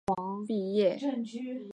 东京音乐大学音乐学部毕业。